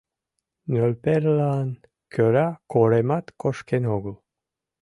Нӧлперлан кӧра коремат кошкен огыл.